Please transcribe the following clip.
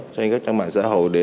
trên các trang mạng xã hội